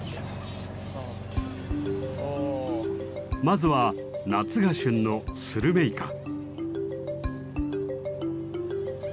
まずは夏が旬のスルメイカ。